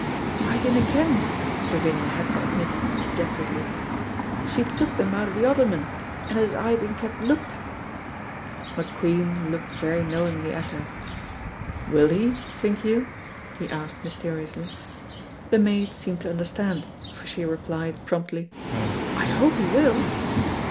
"I dinna ken," Gavinia had to admit, dejectedly. "She took them out o' the ottoman, and it has aye been kept looked." McQueen looked very knowingly at her. "Will he, think you?" he asked mysteriously. The maid seemed to understand, for she replied, promptly, "I hope he will."